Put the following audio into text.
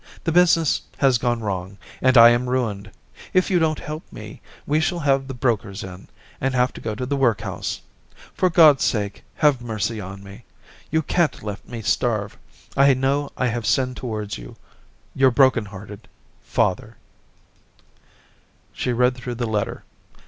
... The business has gone wrong ... and I am ruined. ... If you don't help me ... we shall have the brokers in ... and have to go to the workhouse. ... For God's sake ... 270 Orientations have mercy on me! You can't let me starve. ... I know I have sinned towards you. — Your broken hearted ... Father/ She read through the letter.